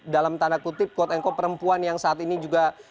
dalam tanda kutip quote unquote perempuan yang saat ini juga